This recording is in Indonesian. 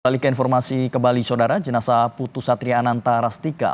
keralika informasi ke bali sodara jenasa putusatria ananta rastika